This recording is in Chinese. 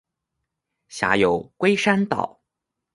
辖有龟山岛。